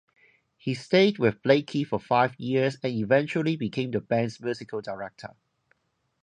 He stayed with Blakey for five years, and eventually became the band's musical director.